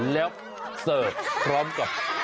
แล้วแฟ้มพร้อมกับเทียม